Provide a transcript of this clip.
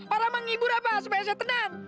orang menghibur apa supaya saya tenang